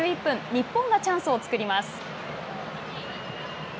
日本がチャンスを作ります。